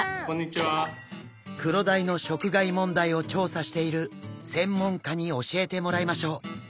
クロダイの食害問題を調査している専門家に教えてもらいましょう。